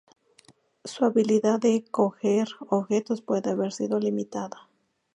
Su habilidad de coger objetos puede haber sido limitada.